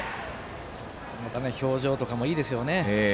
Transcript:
また、表情とかもいいですよね。